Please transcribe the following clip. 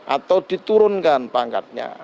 atau diturunkan pangkatnya